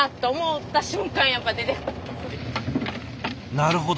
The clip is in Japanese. なるほど。